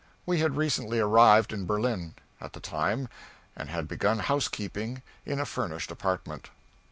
We had recently arrived in Berlin, at the time, and had begun housekeeping in a furnished apartment.